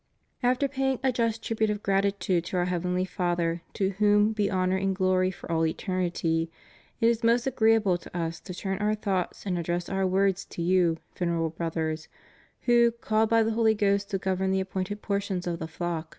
After paying a just tribute of gratitude to Our heavenly Father, to whom be honor and glory for all eternity, it is most agreeable to Us to turn Our thoughts and address Our words to you, Venerable Brothers, who, called by the Holy Ghost to govern the appointed portions of the flock 554 REVIEW OF HIS PONTIFICATE.